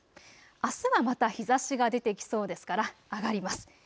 あすはまた日ざしが出てきそうですから、上がります。